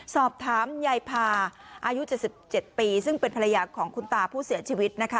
สอบถามยายพาอายุ๗๗ปีซึ่งเป็นภรรยาของคุณตาผู้เสียชีวิตนะคะ